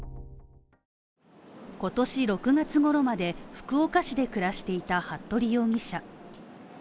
今年６月ごろまで、福岡市で暮らしていた服部容疑者。